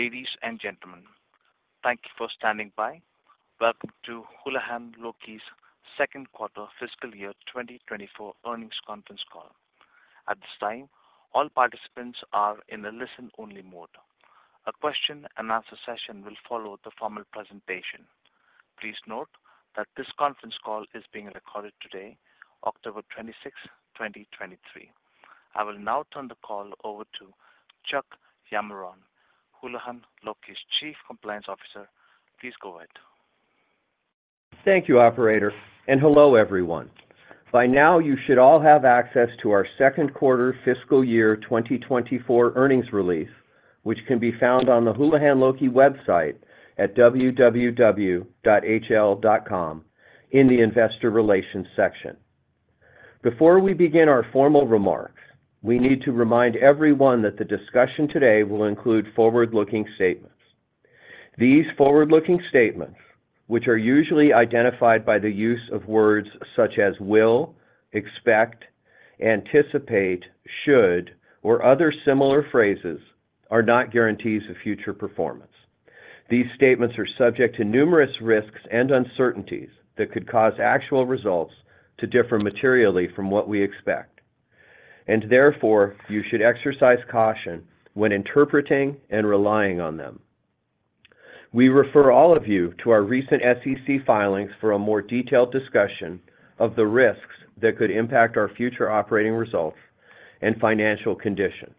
Good day, ladies and gentlemen. Thank you for standing by. Welcome to Houlihan Lokey's second quarter fiscal year 2024 earnings conference call. At this time, all participants are in a listen-only mode. A question and answer session will follow the formal presentation. Please note that this conference call is being recorded today, October 26th, 2023. I will now turn the call over to Chuck Yamarone, Houlihan Lokey's Chief Compliance Officer. Please go ahead. Thank you, operator, and hello, everyone. By now, you should all have access to our second quarter fiscal year 2024 earnings release, which can be found on the Houlihan Lokey website at www.hl.com in the Investor Relations section. Before we begin our formal remarks, we need to remind everyone that the discussion today will include forward-looking statements. These forward-looking statements, which are usually identified by the use of words such as will, expect, anticipate, should, or other similar phrases, are not guarantees of future performance. These statements are subject to numerous risks and uncertainties that could cause actual results to differ materially from what we expect, and therefore, you should exercise caution when interpreting and relying on them. We refer all of you to our recent SEC filings for a more detailed discussion of the risks that could impact our future operating results and financial condition.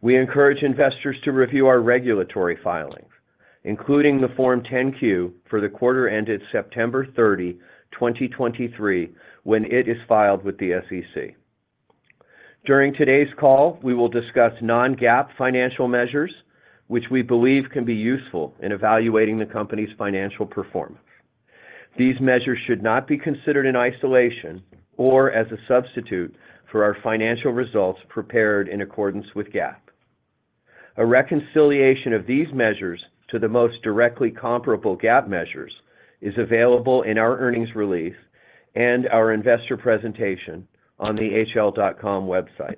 We encourage investors to review our regulatory filings, including the Form 10-Q for the quarter ended September 30, 2023, when it is filed with the SEC. During today's call, we will discuss Non-GAAP financial measures, which we believe can be useful in evaluating the company's financial performance. These measures should not be considered in isolation or as a substitute for our financial results prepared in accordance with GAAP. A reconciliation of these measures to the most directly comparable GAAP measures is available in our earnings release and our investor presentation on the hl.com website.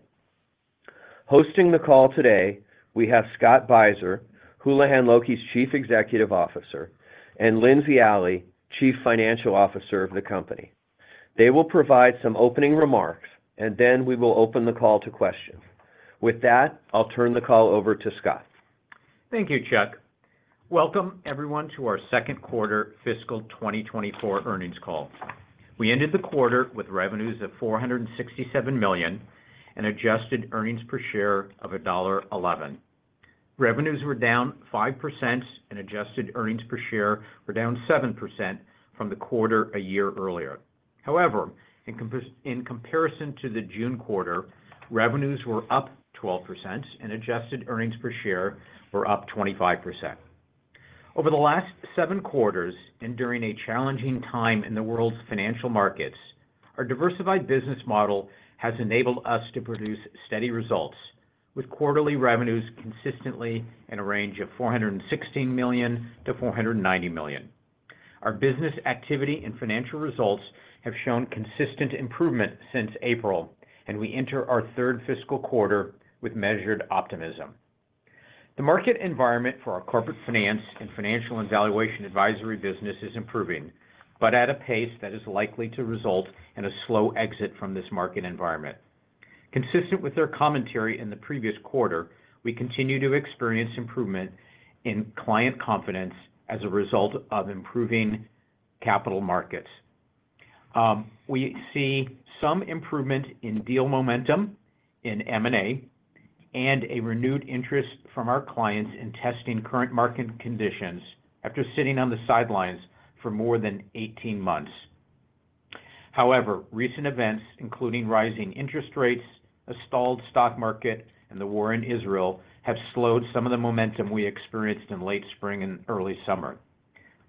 Hosting the call today, we have Scott Beiser, Houlihan Lokey's Chief Executive Officer, and Lindsey Alley, Chief Financial Officer of the company. They will provide some opening remarks, and then we will open the call to questions. With that, I'll turn the call over to Scott. Thank you, Chuck. Welcome, everyone, to our second quarter fiscal 2024 earnings call. We ended the quarter with revenues of $467 million and adjusted earnings per share of $1.11. Revenues were down 5%, and adjusted earnings per share were down 7% from the quarter a year earlier. However, in comparison to the June quarter, revenues were up 12% and adjusted earnings per share were up 25%. Over the last 7 quarters and during a challenging time in the world's financial markets, our diversified business model has enabled us to produce steady results, with quarterly revenues consistently in a range of $416 million-$490 million. Our business activity and financial results have shown consistent improvement since April, and we enter our third fiscal quarter with measured optimism. The market environment for our Corporate Finance and Financial and Valuation Advisory business is improving, but at a pace that is likely to result in a slow exit from this market environment. Consistent with their commentary in the previous quarter, we continue to experience improvement in client confidence as a result of improving capital markets. We see some improvement in deal momentum in M&A, and a renewed interest from our clients in testing current market conditions after sitting on the sidelines for more than 18 months. However, recent events, including rising interest rates, a stalled stock market, and the war in Israel, have slowed some of the momentum we experienced in late spring and early summer.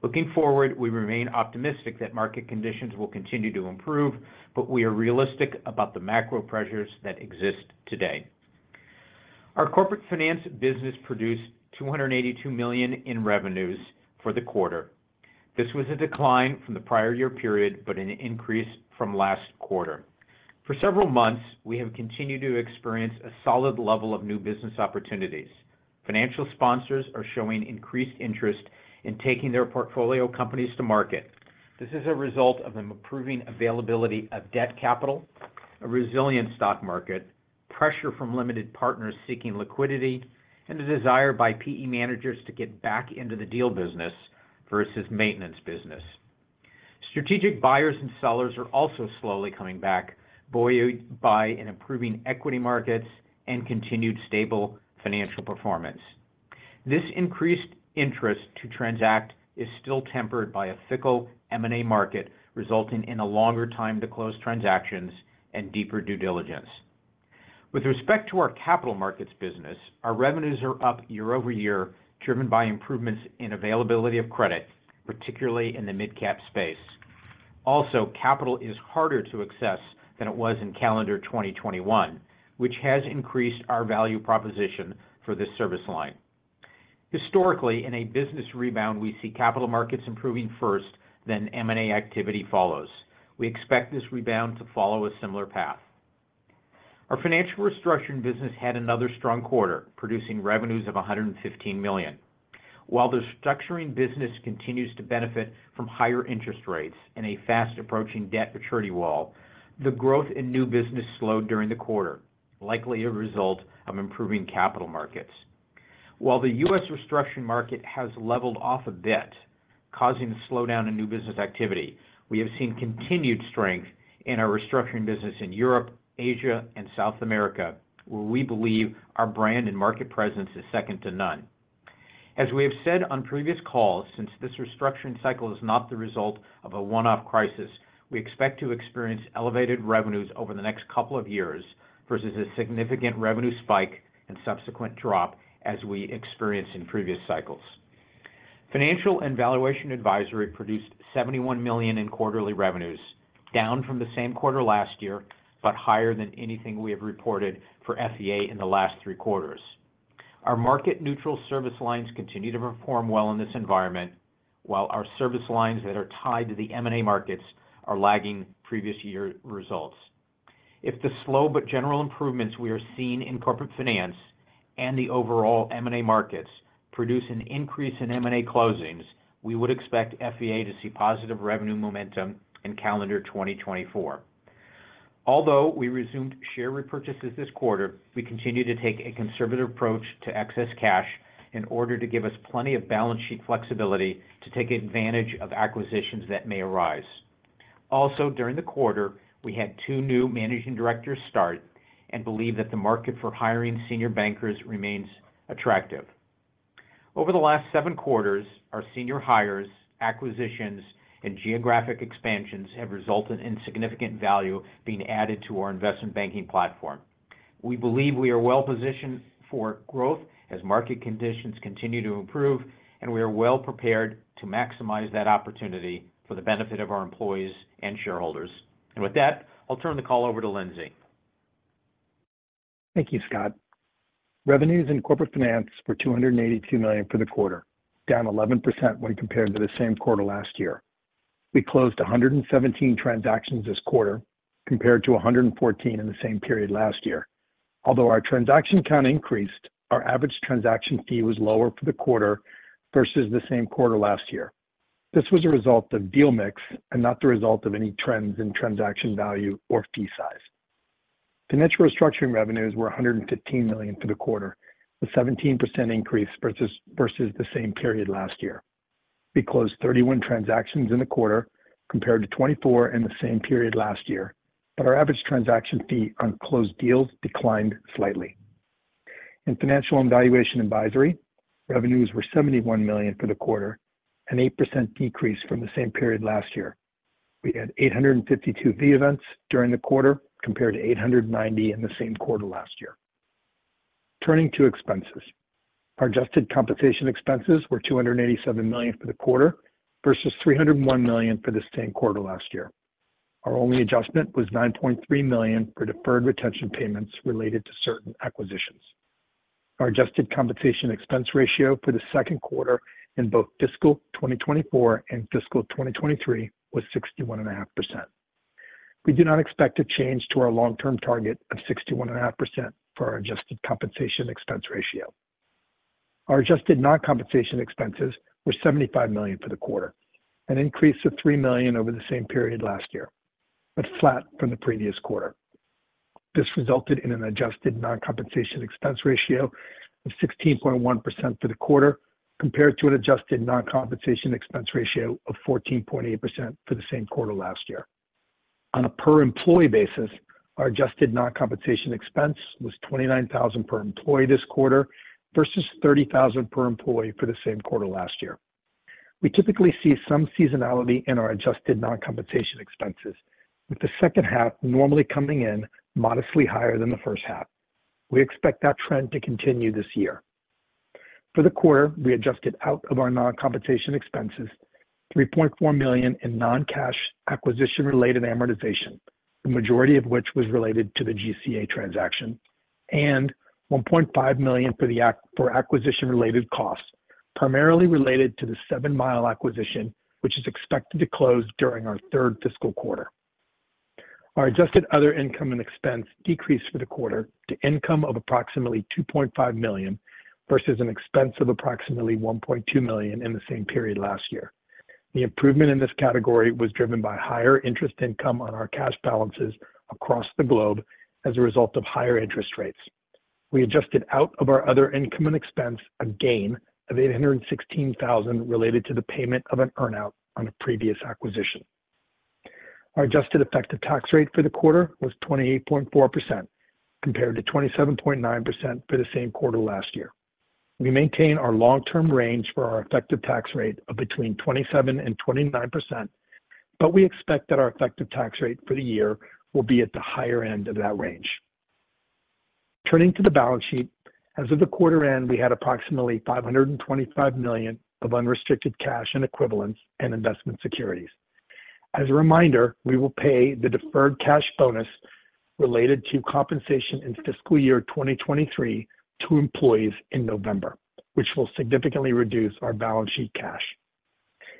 Looking forward, we remain optimistic that market conditions will continue to improve, but we are realistic about the macro pressures that exist today. Our Corporate Finance business produced $282 million in revenues for the quarter. This was a decline from the prior year period, but an increase from last quarter. For several months, we have continued to experience a solid level of new business opportunities. Financial sponsors are showing increased interest in taking their portfolio companies to market. This is a result of an improving availability of debt capital, a resilient stock market, pressure from limited partners seeking liquidity, and the desire by PE managers to get back into the deal business versus maintenance business. Strategic buyers and sellers are also slowly coming back, buoyed by an improving equity markets and continued stable financial performance. This increased interest to transact is still tempered by a fickle M&A market, resulting in a longer time to close transactions and deeper due diligence. With respect to our capital markets business, our revenues are up year-over-year, driven by improvements in availability of credit, particularly in the midcap space. Also, capital is harder to access than it was in calendar 2021, which has increased our value proposition for this service line.... Historically, in a business rebound, we see capital markets improving first, then M&A activity follows. We expect this rebound to follow a similar path. Our financial restructuring business had another strong quarter, producing revenues of $115 million. While the restructuring business continues to benefit from higher interest rates and a fast-approaching debt maturity wall, the growth in new business slowed during the quarter, likely a result of improving capital markets. While the U.S. restructuring market has leveled off a bit, causing a slowdown in new business activity, we have seen continued strength in our restructuring business in Europe, Asia, and South America, where we believe our brand and market presence is second to none. As we have said on previous calls, since this restructuring cycle is not the result of a one-off crisis, we expect to experience elevated revenues over the next couple of years versus a significant revenue spike and subsequent drop as we experienced in previous cycles. Financial and Valuation Advisory produced $71 million in quarterly revenues, down from the same quarter last year, but higher than anything we have reported for FVA in the last three quarters. Our market-neutral service lines continue to perform well in this environment, while our service lines that are tied to the M&A markets are lagging previous year results. If the slow but general improvements we are seeing in Corporate Finance and the overall M&A markets produce an increase in M&A closings, we would expect FVA to see positive revenue momentum in calendar 2024. Although we resumed share repurchases this quarter, we continue to take a conservative approach to excess cash in order to give us plenty of balance sheet flexibility to take advantage of acquisitions that may arise. Also, during the quarter, we had two new managing directors start and believe that the market for hiring senior bankers remains attractive. Over the last seven quarters, our senior hires, acquisitions, and geographic expansions have resulted in significant value being added to our investment banking platform. We believe we are well positioned for growth as market conditions continue to improve, and we are well prepared to maximize that opportunity for the benefit of our employees and shareholders. With that, I'll turn the call over to Lindsey. Thank you, Scott. Revenues in Corporate Finance were $282 million for the quarter, down 11% when compared to the same quarter last year. We closed 117 transactions this quarter, compared to 114 in the same period last year. Although our transaction count increased, our average transaction fee was lower for the quarter versus the same quarter last year. This was a result of deal mix and not the result of any trends in transaction value or fee size. Financial Restructuring revenues were $115 million for the quarter, a 17% increase versus the same period last year. We closed 31 transactions in the quarter, compared to 24 in the same period last year, but our average transaction fee on closed deals declined slightly. In Financial and Valuation Advisory, revenues were $71 million for the quarter, an 8% decrease from the same period last year. We had 852 fee events during the quarter, compared to 890 in the same quarter last year. Turning to expenses. Our adjusted compensation expenses were $287 million for the quarter, versus $301 million for the same quarter last year. Our only adjustment was $9.3 million for deferred retention payments related to certain acquisitions. Our adjusted compensation expense ratio for the second quarter in both fiscal 2024 and fiscal 2023 was 61.5%. We do not expect a change to our long-term target of 61.5% for our adjusted compensation expense ratio. Our adjusted non-compensation expenses were $75 million for the quarter, an increase of $3 million over the same period last year, but flat from the previous quarter. This resulted in an adjusted non-compensation expense ratio of 16.1% for the quarter, compared to an adjusted non-compensation expense ratio of 14.8% for the same quarter last year. On a per-employee basis, our adjusted non-compensation expense was $29,000 per employee this quarter, versus $30,000 per employee for the same quarter last year. We typically see some seasonality in our adjusted non-compensation expenses, with the second half normally coming in modestly higher than the first half. We expect that trend to continue this year. For the quarter, we adjusted out of our non-compensation expenses, $3.4 million in non-cash acquisition-related amortization, the majority of which was related to the GCA transaction, and $1.5 million for acquisition-related costs, primarily related to the 7 Mile acquisition, which is expected to close during our third fiscal quarter. Our adjusted other income and expense decreased for the quarter to income of approximately $2.5 million, versus an expense of approximately $1.2 million in the same period last year. The improvement in this category was driven by higher interest income on our cash balances across the globe as a result of higher interest rates. We adjusted out of our other income and expense a gain of $816,000 related to the payment of an earn-out on a previous acquisition. Our adjusted effective tax rate for the quarter was 28.4%, compared to 27.9% for the same quarter last year. We maintain our long-term range for our effective tax rate of between 27% and 29%, but we expect that our effective tax rate for the year will be at the higher end of that range. Turning to the balance sheet, as of the quarter end, we had approximately $525 million of unrestricted cash and equivalents in investment securities. ...As a reminder, we will pay the deferred cash bonus related to compensation in fiscal year 2023 to employees in November, which will significantly reduce our balance sheet cash.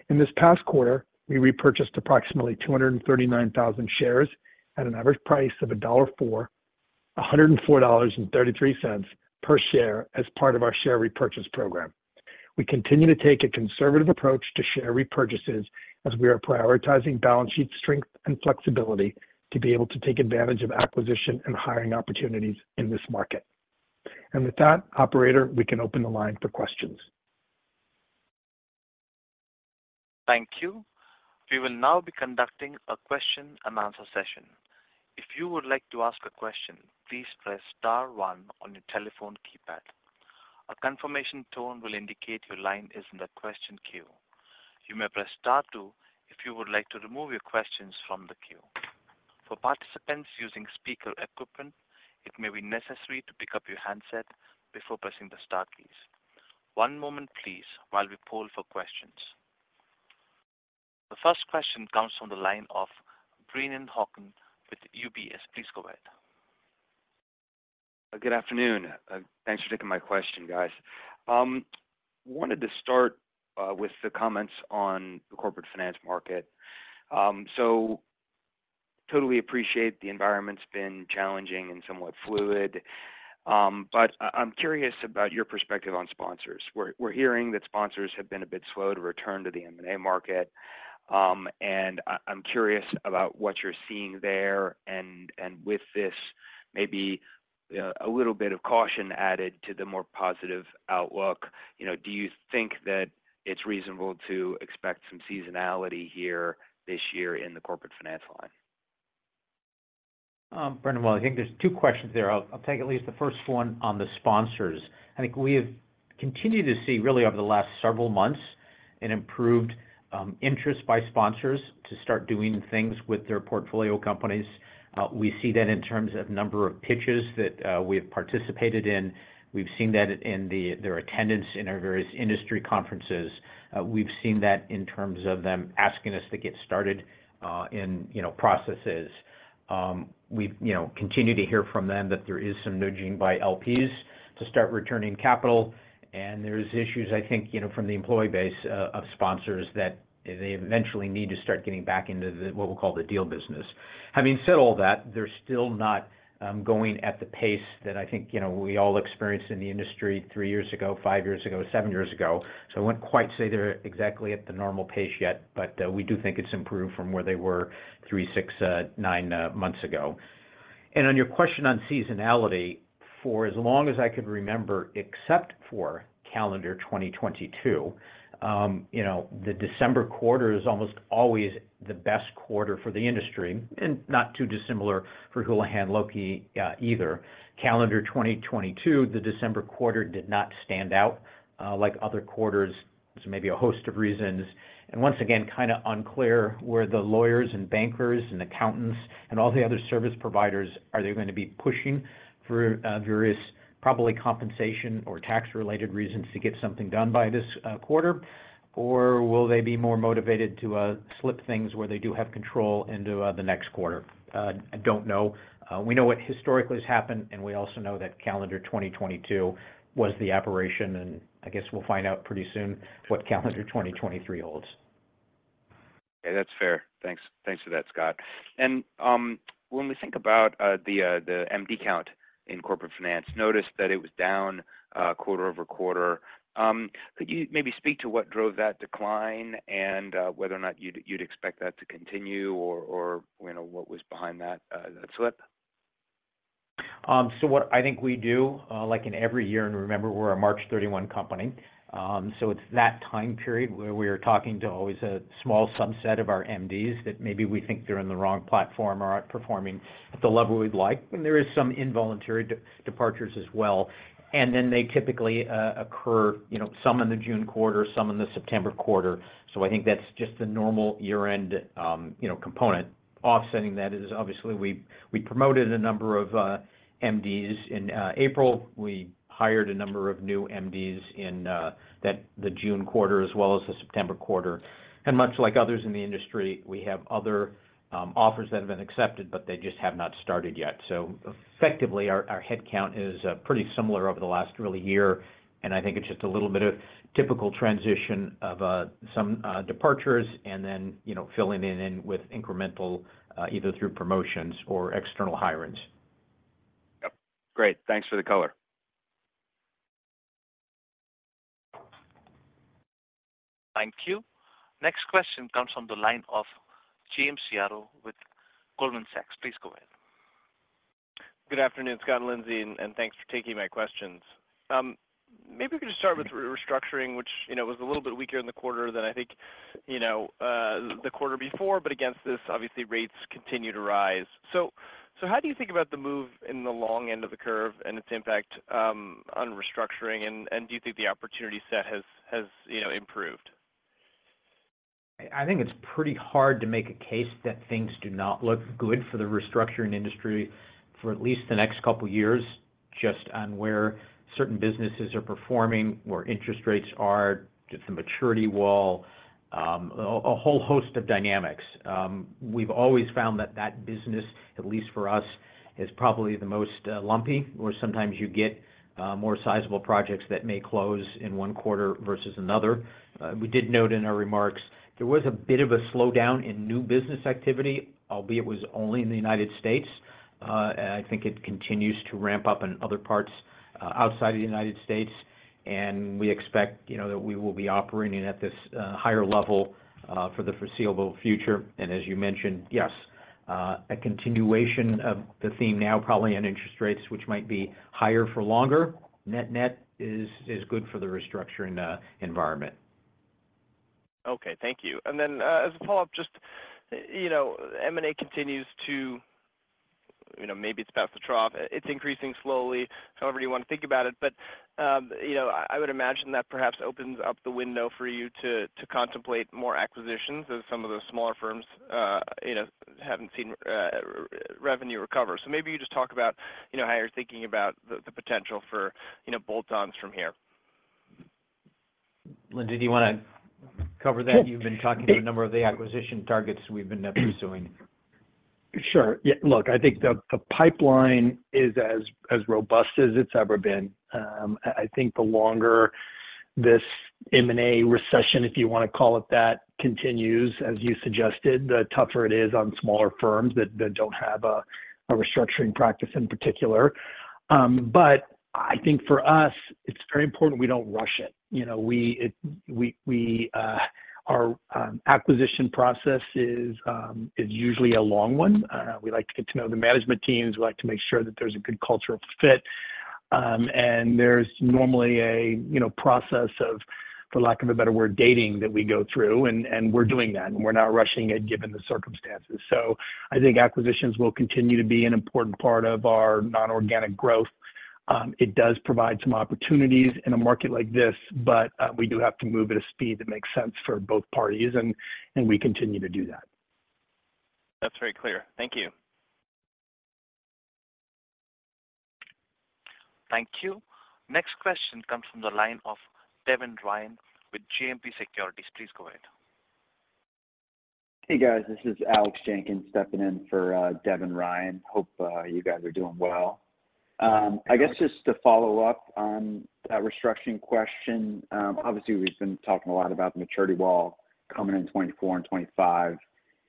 In this past quarter, we repurchased approximately 239,000 shares at an average price of $104.33 per share as part of our share repurchase program. We continue to take a conservative approach to share repurchases as we are prioritizing balance sheet strength and flexibility to be able to take advantage of acquisition and hiring opportunities in this market. And with that, operator, we can open the line for questions. Thank you. We will now be conducting a question and answer session. If you would like to ask a question, please press star one on your telephone keypad. A confirmation tone will indicate your line is in the question queue. You may press star two if you would like to remove your questions from the queue. For participants using speaker equipment, it may be necessary to pick up your handset before pressing the star keys. One moment please, while we poll for questions. The first question comes from the line of Brennan Hawken with UBS. Please go ahead. Good afternoon. Thanks for taking my question, guys. Wanted to start with the comments on the Corporate Finance market. So totally appreciate the environment's been challenging and somewhat fluid, but I'm curious about your perspective on sponsors. We're hearing that sponsors have been a bit slow to return to the M&A market, and I'm curious about what you're seeing there, and with this, maybe a little bit of caution added to the more positive outlook. You know, do you think that it's reasonable to expect some seasonality here this year in the Corporate Finance line? Brendan, well, I think there's two questions there. I'll, I'll take at least the first one on the sponsors. I think we have continued to see, really over the last several months, an improved interest by sponsors to start doing things with their portfolio companies. We see that in terms of number of pitches that we have participated in. We've seen that in their attendance in our various industry conferences. We've seen that in terms of them asking us to get started in, you know, processes. We've, you know, continued to hear from them that there is some nudging by LPs to start returning capital, and there's issues, I think, you know, from the employee base of sponsors, that they eventually need to start getting back into the, what we'll call the deal business. Having said all that, they're still not going at the pace that I think, you know, we all experienced in the industry three years ago, five years ago, seven years ago. So I wouldn't quite say they're exactly at the normal pace yet, but we do think it's improved from where they were three months, six months, nine months ago. And on your question on seasonality, for as long as I could remember, except for calendar 2022, you know, the December quarter is almost always the best quarter for the industry, and not too dissimilar for Houlihan Lokey, either. Calendar 2022, the December quarter did not stand out like other quarters. So maybe a host of reasons, and once again, kind of unclear where the lawyers and bankers and accountants and all the other service providers, are they going to be pushing for, various, probably compensation or tax-related reasons to get something done by this, quarter? Or will they be more motivated to, slip things where they do have control into, the next quarter? I don't know. We know what historically has happened, and we also know that calendar 2022 was the aberration, and I guess we'll find out pretty soon what calendar 2023 holds. Yeah, that's fair. Thanks. Thanks for that, Scott. When we think about the MD count in Corporate Finance, noticed that it was down quarter-over-quarter. Could you maybe speak to what drove that decline and whether or not you'd expect that to continue or you know, what was behind that slip? So what I think we do, like in every year, and remember, we're a March 31 company, so it's that time period where we are talking to always a small subset of our MDs that maybe we think they're in the wrong platform or aren't performing at the level we'd like, and there is some involuntary departures as well. And then they typically occur, you know, some in the June quarter, some in the September quarter. So I think that's just a normal year-end, you know, component. Offsetting that is obviously, we promoted a number of MDs in April. We hired a number of new MDs in the June quarter, as well as the September quarter. And much like others in the industry, we have other offers that have been accepted, but they just have not started yet. So effectively, our head count is pretty similar over the last really year, and I think it's just a little bit of typical transition of some departures and then, you know, filling in with incremental either through promotions or external hirings. Yep. Great. Thanks for the color. Thank you. Next question comes from the line of James Yaro with Goldman Sachs. Please go ahead. Good afternoon, Scott, Lindsey, and thanks for taking my questions. Maybe we could just start with restructuring, which, you know, was a little bit weaker in the quarter than I think, you know, the quarter before, but against this, obviously, rates continue to rise. So how do you think about the move in the long end of the curve and its impact on restructuring, and do you think the opportunity set has, you know, improved? I think it's pretty hard to make a case that things do not look good for the restructuring industry for at least the next couple of years... just on where certain businesses are performing, where interest rates are, just the maturity wall, a whole host of dynamics. We've always found that that business, at least for us, is probably the most lumpy, where sometimes you get more sizable projects that may close in one quarter versus another. We did note in our remarks there was a bit of a slowdown in new business activity, albeit was only in the United States. And I think it continues to ramp up in other parts outside of the United States, and we expect, you know, that we will be operating at this higher level for the foreseeable future. As you mentioned, yes, a continuation of the theme now probably on interest rates, which might be higher for longer. Net-net is good for the restructuring environment. Okay, thank you. And then, as a follow-up, just, you know, M&A continues to, you know, maybe it's about to trough. It's increasing slowly, however you want to think about it. But, you know, I would imagine that perhaps opens up the window for you to contemplate more acquisitions as some of the smaller firms, you know, haven't seen revenue recover. So maybe you just talk about, you know, how you're thinking about the potential for, you know, bolt-ons from here. Lindsey, do you want to cover that? You've been talking to a number of the acquisition targets we've been pursuing. Sure. Yeah, look, I think the pipeline is as robust as it's ever been. I think the longer this M&A recession, if you want to call it that, continues, as you suggested, the tougher it is on smaller firms that don't have a restructuring practice in particular. But I think for us, it's very important we don't rush it. You know, we, our acquisition process is usually a long one. We like to get to know the management teams. We like to make sure that there's a good cultural fit, and there's normally a, you know, process of, for lack of a better word, dating that we go through, and we're doing that, and we're not rushing it, given the circumstances. So I think acquisitions will continue to be an important part of our nonorganic growth. It does provide some opportunities in a market like this, but we do have to move at a speed that makes sense for both parties, and we continue to do that. That's very clear. Thank you. Thank you. Next question comes from the line of Devin Ryan with JMP Securities. Please go ahead. Hey, guys, this is Alex Jenkins stepping in for Devin Ryan. Hope you guys are doing well. I guess just to follow up on that restructuring question, obviously, we've been talking a lot about the maturity wall coming in 2024 and 2025.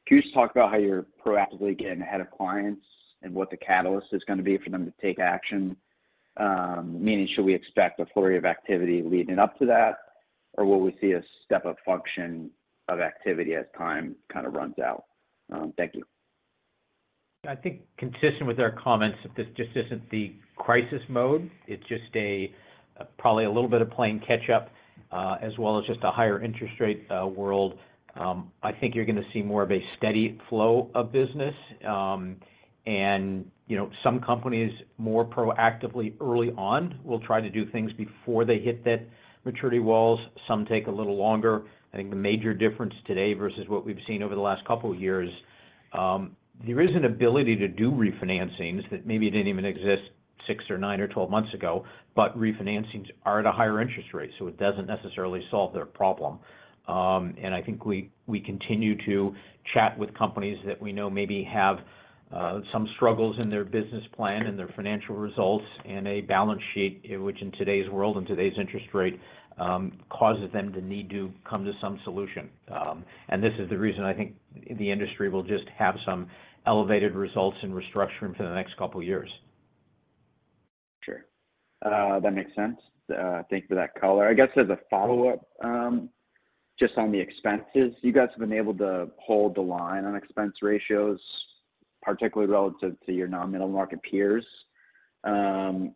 Can you just talk about how you're proactively getting ahead of clients and what the catalyst is gonna be for them to take action? Meaning, should we expect a flurry of activity leading up to that, or will we see a step-up function of activity as time kind of runs out? Thank you. I think consistent with our comments, that this just isn't the crisis mode, it's just a probably a little bit of playing catch up, as well as just a higher interest rate world. I think you're gonna see more of a steady flow of business. And, you know, some companies, more proactively early on, will try to do things before they hit that maturity walls. Some take a little longer. I think the major difference today versus what we've seen over the last couple of years, there is an ability to do refinancings that maybe didn't even exist six or nine or 12 months ago, but refinancings are at a higher interest rate, so it doesn't necessarily solve their problem. And I think we continue to chat with companies that we know maybe have some struggles in their business plan and their financial results, and a balance sheet, which in today's world and today's interest rate causes them to need to come to some solution. And this is the reason I think the industry will just have some elevated results in restructuring for the next couple of years. Sure. That makes sense. Thank you for that color. I guess as a follow-up, just on the expenses, you guys have been able to hold the line on expense ratios, particularly relative to your non-middle market peers.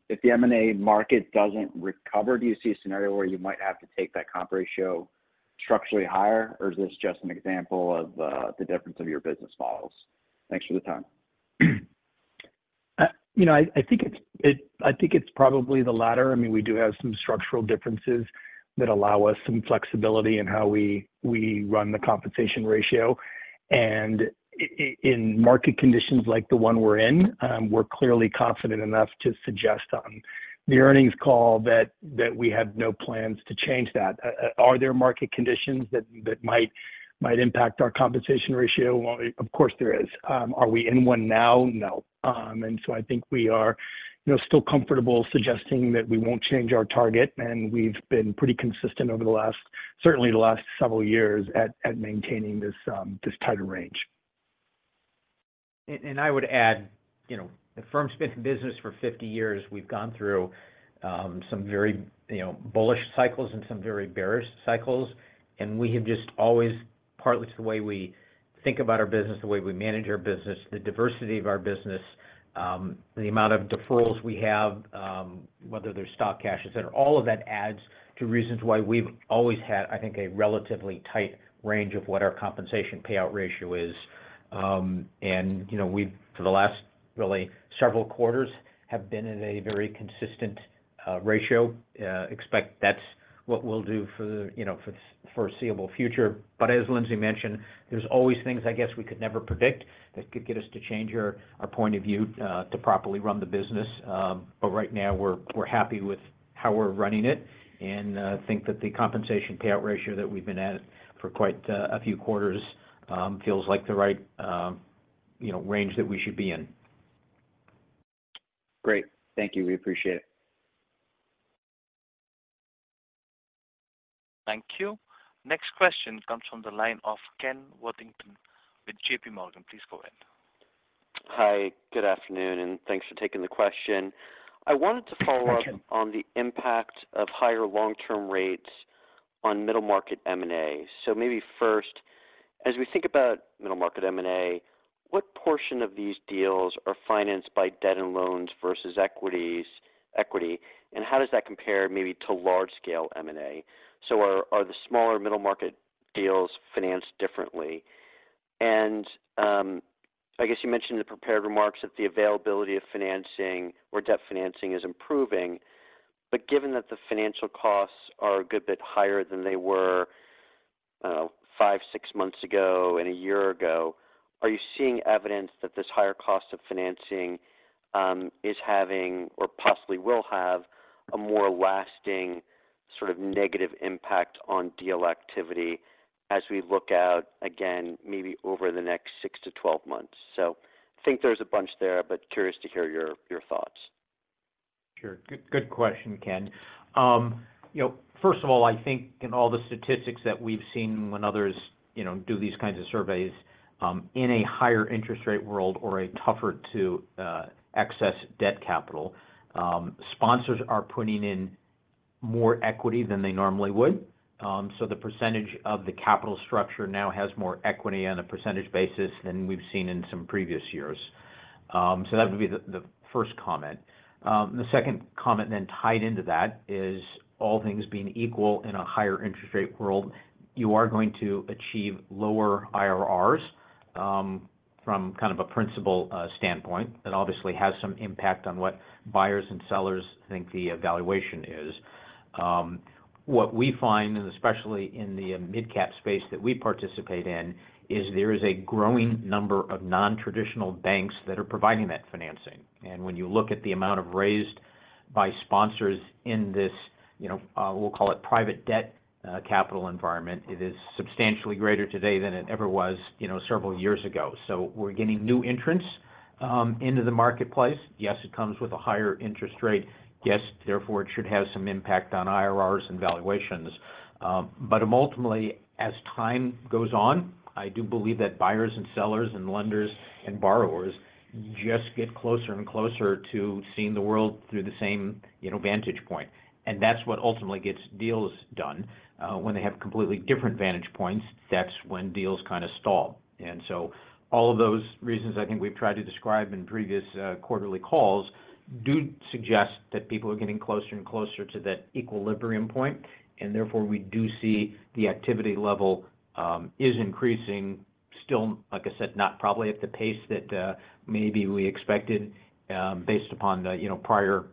If the M&A market doesn't recover, do you see a scenario where you might have to take that comp ratio structurally higher, or is this just an example of the difference of your business models? Thanks for the time. You know, I think it's probably the latter. I mean, we do have some structural differences that allow us some flexibility in how we run the compensation ratio. And in market conditions like the one we're in, we're clearly confident enough to suggest on the earnings call that we have no plans to change that. Are there market conditions that might impact our compensation ratio? Well, of course, there is. Are we in one now? No. And so I think we are, you know, still comfortable suggesting that we won't change our target, and we've been pretty consistent over the last, certainly the last several years at maintaining this tighter range. I would add, you know, the firm's been in business for 50 years. We've gone through some very, you know, bullish cycles and some very bearish cycles, and we have just always, partly to the way we think about our business, the way we manage our business, the diversity of our business, the amount of deferrals we have, whether they're stock, cash, and all of that adds to reasons why we've always had, I think, a relatively tight range of what our compensation payout ratio is. And, you know, we've, for the last really several quarters, have been in a very consistent ratio, expect that's what we'll do for the, you know, for the foreseeable future. But as Lindsey mentioned, there's always things I guess we could never predict that could get us to change our point of view to properly run the business. But right now, we're happy with how we're running it, and think that the compensation payout ratio that we've been at for quite a few quarters feels like the right, you know, range that we should be in. Great. Thank you. We appreciate it. Thank you. Next question comes from the line of Ken Worthington with JPMorgan. Please go ahead. Hi, good afternoon, and thanks for taking the question. Thank you. I wanted to follow up on the impact of higher long-term rates on middle market M&A. So maybe first, as we think about middle market M&A, what portion of these deals are financed by debt and loans versus equity, and how does that compare maybe to large scale M&A? So are the smaller middle market deals financed differently? And, I guess you mentioned in the prepared remarks that the availability of financing or debt financing is improving, but given that the financial costs are a good bit higher than they were, I don't know, five, six months ago and a year ago, are you seeing evidence that this higher cost of financing is having or possibly will have a more lasting sort of negative impact on deal activity as we look out again, maybe over the next six to 12 months? I think there's a bunch there, but curious to hear your thoughts. Sure. Good, good question, Ken. You know, first of all, I think in all the statistics that we've seen when others, you know, do these kinds of surveys, in a higher interest rate world or a tougher to, access debt capital, sponsors are putting in more equity than they normally would. So the percentage of the capital structure now has more equity on a percentage basis than we've seen in some previous years. So that would be the, the first comment. The second comment then tied into that is all things being equal in a higher interest rate world, you are going to achieve lower IRRs, from kind of a principal, standpoint. That obviously has some impact on what buyers and sellers think the valuation is. What we find, and especially in the mid-cap space that we participate in, is there is a growing number of non-traditional banks that are providing that financing. And when you look at the amount of raised by sponsors in this, you know, we'll call it private debt, capital environment, it is substantially greater today than it ever was, you know, several years ago. So we're getting new entrants into the marketplace. Yes, it comes with a higher interest rate. Yes, therefore, it should have some impact on IRRs and valuations. But ultimately, as time goes on, I do believe that buyers and sellers, and lenders and borrowers just get closer and closer to seeing the world through the same, you know, vantage point, and that's what ultimately gets deals done. When they have completely different vantage points, that's when deals kind of stall. And so all of those reasons I think we've tried to describe in previous quarterly calls do suggest that people are getting closer and closer to that equilibrium point, and therefore, we do see the activity level is increasing. Still, like I said, not probably at the pace that maybe we expected based upon the you know prior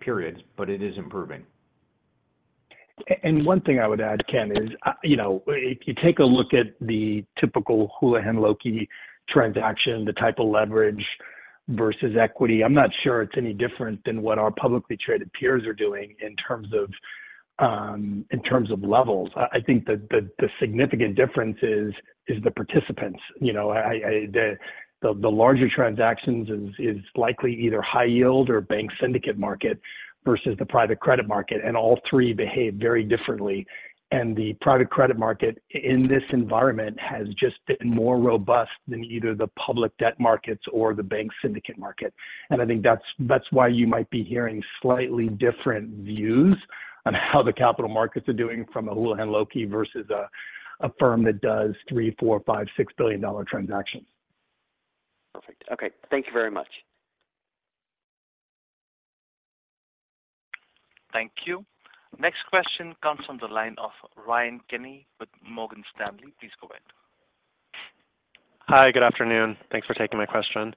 periods, but it is improving. And one thing I would add, Ken, is, you know, if you take a look at the typical Houlihan Lokey transaction, the type of leverage versus equity, I'm not sure it's any different than what our publicly traded peers are doing in terms of, in terms of levels. I think the significant difference is the participants. You know, the larger transactions is likely either high yield or bank syndicate market versus the private credit market, and all three behave very differently. And the private credit market in this environment has just been more robust than either the public debt markets or the bank syndicate market. I think that's why you might be hearing slightly different views on how the capital markets are doing from a Houlihan Lokey versus a firm that does $3 billion-$6 billion transactions. Perfect. Okay. Thank you very much. Thank you. Next question comes from the line of Ryan Kenny with Morgan Stanley. Please go ahead. Hi, good afternoon. Thanks for taking my question.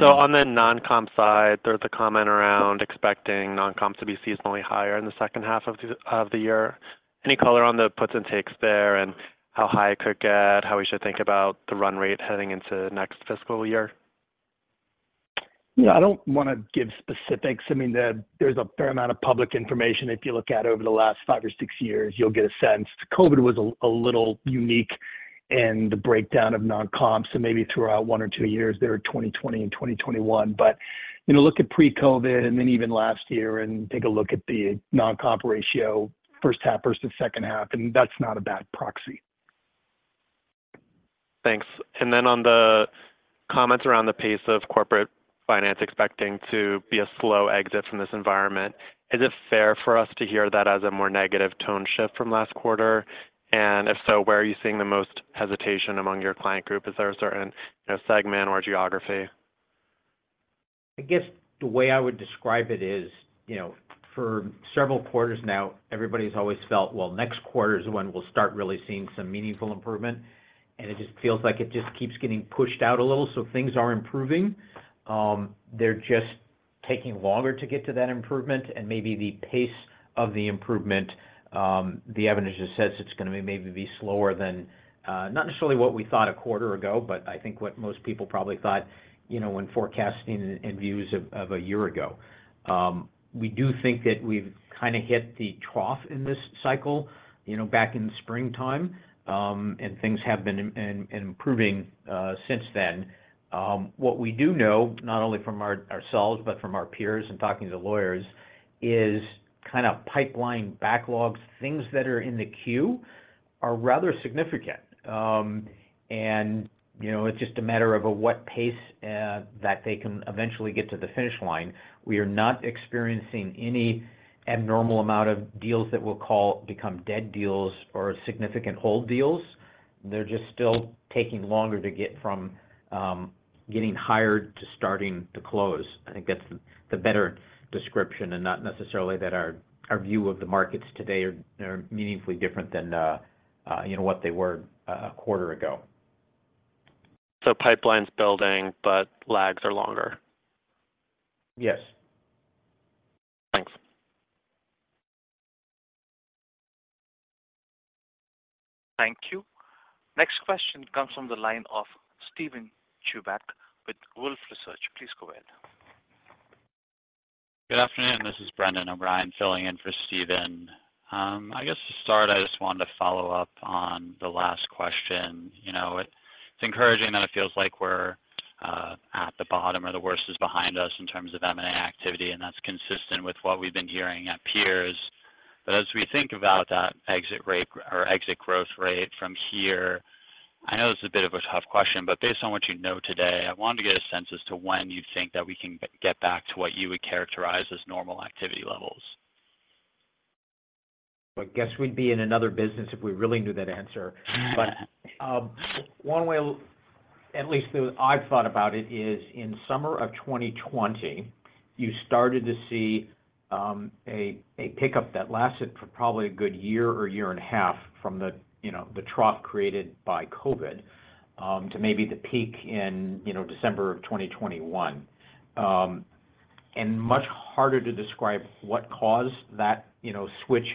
So on the non-comp side, there's a comment around expecting non-comps to be seasonally higher in the second half of the year. Any color on the puts and takes there, and how high it could get, how we should think about the run rate heading into next fiscal year? Yeah, I don't wanna give specifics. I mean, there's a fair amount of public information. If you look at over the last 5 or 6 years, you'll get a sense. COVID was a little unique in the breakdown of non-comps, so maybe throw out one or two years there, 2020 and 2021. But, you know, look at pre-COVID and then even last year and take a look at the non-comp ratio, first half versus second half, and that's not a bad proxy. Thanks. And then on the comments around the pace of corporate finance expecting to be a slow exit from this environment, is it fair for us to hear that as a more negative tone shift from last quarter? And if so, where are you seeing the most hesitation among your client group? Is there a certain, you know, segment or geography? I guess the way I would describe it is, you know, for several quarters now, everybody's always felt, well, next quarter is when we'll start really seeing some meaningful improvement... and it just feels like it just keeps getting pushed out a little. So things are improving, they're just taking longer to get to that improvement, and maybe the pace of the improvement, the evidence just says it's gonna be maybe slower than, not necessarily what we thought a quarter ago, but I think what most people probably thought, you know, when forecasting and views of a year ago. We do think that we've kinda hit the trough in this cycle, you know, back in the springtime, and things have been improving since then. What we do know, not only from ourselves, but from our peers and talking to lawyers, is kind of pipeline backlogs, things that are in the queue are rather significant. You know, it's just a matter of at what pace that they can eventually get to the finish line. We are not experiencing any abnormal amount of deals that we'll call become dead deals or significant hold deals. They're just still taking longer to get from getting hired to starting to close. I think that's the better description, and not necessarily that our view of the markets today are meaningfully different than you know, what they were a quarter ago. Pipeline's building, but lags are longer? Yes. Thanks. Thank you. Next question comes from the line of Steven Chubak with Wolfe Research. Please go ahead. Good afternoon. This is Brendan O'Brien, filling in for Steven. I guess to start, I just wanted to follow up on the last question. You know, it's encouraging that it feels like we're at the bottom or the worst is behind us in terms of M&A activity, and that's consistent with what we've been hearing at peers. But as we think about that exit rate or exit growth rate from here, I know this is a bit of a tough question, but based on what you know today, I wanted to get a sense as to when you think that we can get back to what you would characterize as normal activity levels. I guess we'd be in another business if we really knew that answer. But, one way, at least the way I've thought about it, is in summer of 2020, you started to see a pickup that lasted for probably a good year or year and a half from the, you know, the trough created by COVID, to maybe the peak in, you know, December of 2021. And much harder to describe what caused that, you know, switch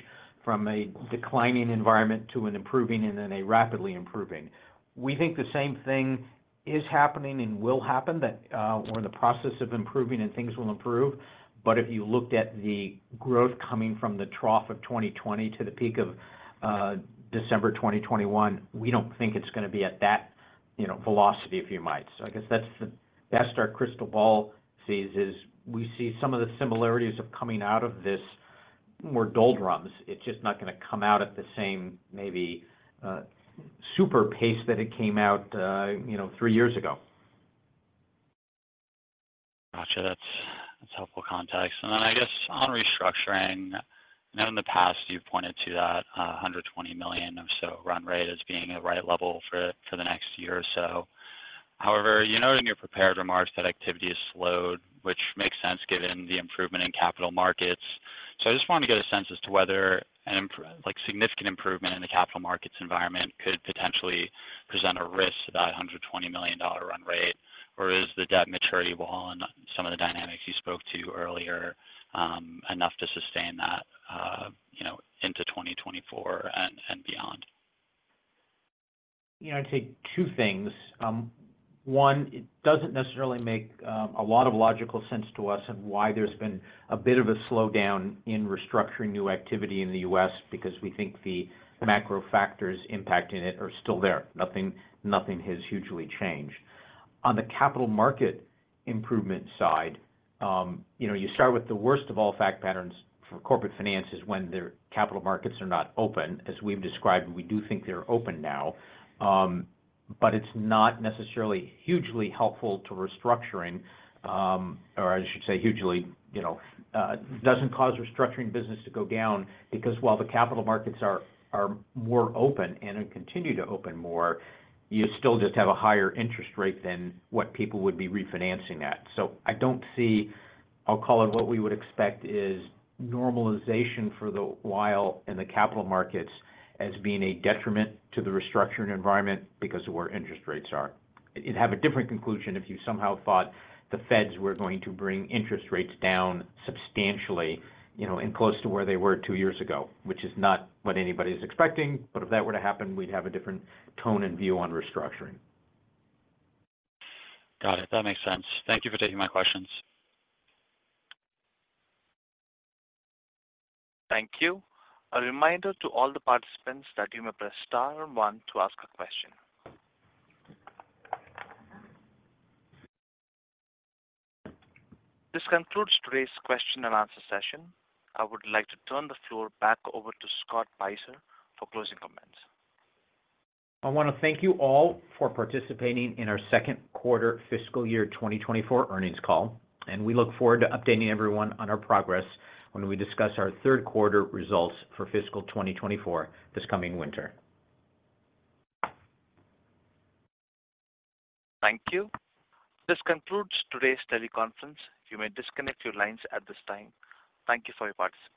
from a declining environment to an improving and then a rapidly improving. We think the same thing is happening and will happen, that, we're in the process of improving and things will improve. But if you looked at the growth coming from the trough of 2020 to the peak of December 2021, we don't think it's gonna be at that, you know, velocity, if you might. So I guess that's the best our crystal ball sees, is we see some of the similarities of coming out of this more doldrums. It's just not gonna come out at the same maybe super pace that it came out, you know, three years ago. Gotcha. That's, that's helpful context. And then I guess on restructuring, I know in the past you've pointed to that $120 million or so run rate as being the right level for the next year or so. However, you noted in your prepared remarks that activity has slowed, which makes sense given the improvement in capital markets. So I just wanted to get a sense as to whether like, significant improvement in the capital markets environment could potentially present a risk to that $120 million run rate, or is the debt maturity wall on some of the dynamics you spoke to earlier enough to sustain that, you know, into 2024 and beyond? You know, I'd say two things. One, it doesn't necessarily make a lot of logical sense to us of why there's been a bit of a slowdown in restructuring new activity in the U.S., because we think the macro factors impacting it are still there. Nothing, nothing has hugely changed. On the capital market improvement side, you know, you start with the worst of all fact patterns for corporate finance is when their capital markets are not open, as we've described, and we do think they're open now. But it's not necessarily hugely helpful to restructuring, or I should say hugely, you know, doesn't cause restructuring business to go down, because while the capital markets are, are more open and continue to open more, you still just have a higher interest rate than what people would be refinancing at. So I don't see... I'll call it what we would expect is normalization for the while in the capital markets as being a detriment to the restructuring environment because of where interest rates are. You'd have a different conclusion if you somehow thought the Feds were going to bring interest rates down substantially, you know, and close to where they were two years ago, which is not what anybody's expecting. But if that were to happen, we'd have a different tone and view on restructuring. Got it. That makes sense. Thank you for taking my questions. Thank you. A reminder to all the participants that you may press star one to ask a question. This concludes today's question and answer session. I would like to turn the floor back over to Scott Beiser for closing comments. I want to thank you all for participating in our second quarter fiscal year 2024 earnings call, and we look forward to updating everyone on our progress when we discuss our third quarter results for fiscal 2024, this coming winter. Thank you. This concludes today's teleconference. You may disconnect your lines at this time. Thank you for your participation.